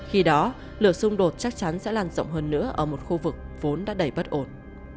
khi đó lửa xung đột chắc chắn sẽ lan rộng hơn nữa ở một khu vực vốn đã đầy bất ổn